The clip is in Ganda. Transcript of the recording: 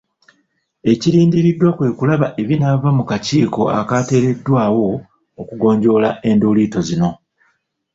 Ekirindiriddwa kwe kulaba ebinaava mu kakiiko akateereddwawo okugonjoola endooliito zino.